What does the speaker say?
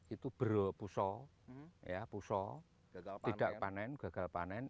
itu berpusau ya pusau tidak panen gagal panen